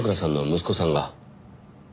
息子さんが？